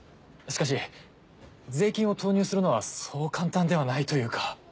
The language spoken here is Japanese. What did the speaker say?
しかし税金を投入するのはそう簡単ではないというか。